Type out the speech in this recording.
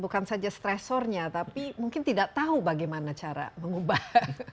bukan saja stressornya tapi mungkin tidak tahu bagaimana cara mengubah